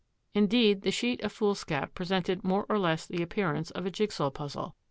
Indeed, the sheet of foolscap presented more or less the appearance of a jig saw puzzle.